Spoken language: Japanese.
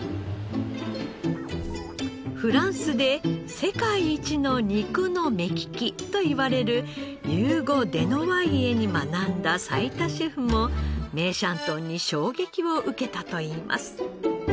フランスで世界一の肉の目利きといわれるユーゴ・デノワイエに学んだ齊田シェフも梅山豚に衝撃を受けたといいます。